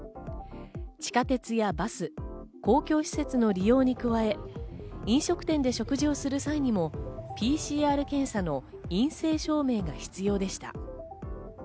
地下鉄やバス、公共施設の利用に加え、飲食店で食事をする際にもＰＣＲ検査の陰性証明が必要でした。